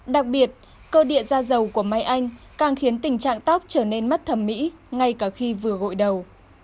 đặc biệt cơ địa da dầu của máy anh càng khiến tình trạng tóc trở nên mất thẩm mỹ ngay cả khi vừa gội đầu